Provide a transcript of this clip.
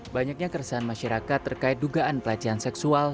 banyaknya keresahan masyarakat terkait dugaan pelecehan seksual